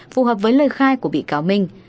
phù hợp với lời khai của bị cáo minh